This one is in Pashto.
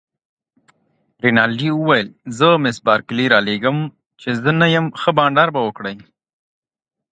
رینالډي وویل: زه مس بارکلي رالېږم، چي زه نه یم، ښه بانډار به وکړئ.